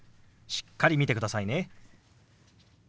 しっかり見てくださいね。